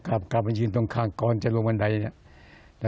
และกลับ๗๒๐ตรงข้างก่อนจะลงวันไหน